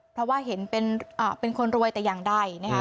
เพราะว่าเห็นเป็นคนรวยแต่อย่างใดนะคะ